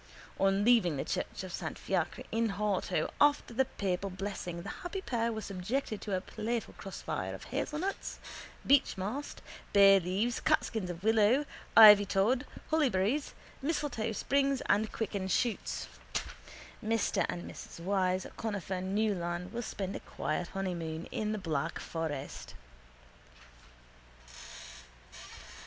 On leaving the church of Saint Fiacre in Horto after the papal blessing the happy pair were subjected to a playful crossfire of hazelnuts, beechmast, bayleaves, catkins of willow, ivytod, hollyberries, mistletoe sprigs and quicken shoots. Mr and Mrs Wyse Conifer Neaulan will spend a quiet honeymoon in the Black Forest.